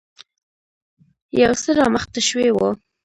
يو څه رامخته شوی و.